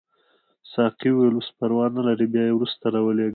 ساقي وویل اوس پروا نه لري بیا یې وروسته راولېږه.